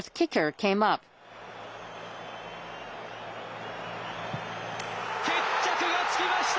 決着がつきました。